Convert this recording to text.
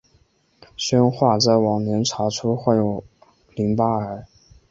宣化在晚年查出患有淋巴癌。